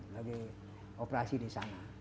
lagi operasi di sana